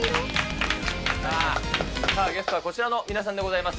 ゲストはこちらの皆さんでございます。